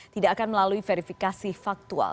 tidak akan melalui verifikasi faktual